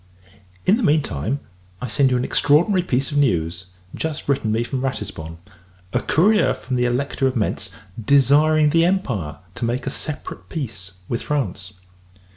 In the mean time, I send you an extraordinary piece of news, just written me from Ratisbon a courier from the Elector of Mentz, desiring the Empire to make a separate peace with France.